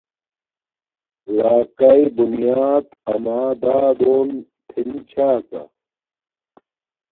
راکاݵ بونیات اما دادون تھین چھا کا